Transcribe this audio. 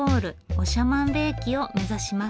長万部駅を目指します。